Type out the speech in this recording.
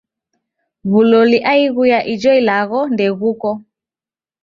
W'uloli aighu ya ijo ilagho ndeghuko.